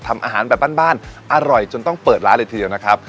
ทำอาหารแบบบ้านอร่อยจนต้องเปิดร้านเลยทีเดียวนะครับ